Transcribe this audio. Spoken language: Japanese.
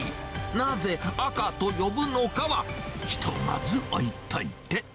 なぜ赤と呼ぶのかは、ひとまず置いといて。